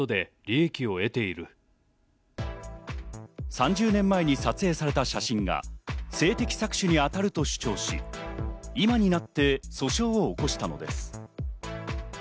３０年前に撮影された写真が性的搾取に当たると主張し、今になって訴訟を起こしたのです。